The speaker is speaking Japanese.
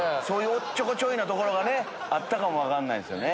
おっちょこちょいなところがねあったかも分かんないですよね。